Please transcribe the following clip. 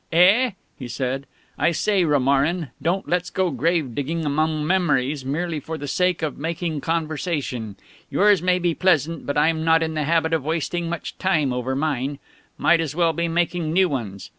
"Eh?" he said. "I say, Romarin, don't let's go grave digging among memories merely for the sake of making conversation. Yours may be pleasant, but I'm not in the habit of wasting much time over mine. Might as well be making new ones